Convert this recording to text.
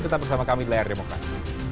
tetap bersama kami di layar demokrasi